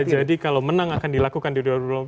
kalau menang akan dilakukan di dua ribu dua puluh empat